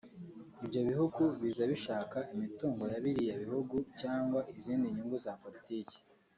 Ibyo bihugu biza bishaka imitungo ya biriya bihugu cyangwa izindi nyungu za politiki